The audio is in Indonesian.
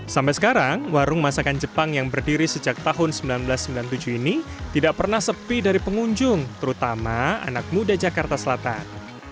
sampai sekarang warung masakan jepang yang berdiri sejak tahun seribu sembilan ratus sembilan puluh tujuh ini tidak pernah sepi dari pengunjung terutama anak muda jakarta selatan